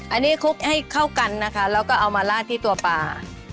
อันนี้คลุกให้เข้ากันนะคะแล้วก็เอามาลาดที่ตัวปลา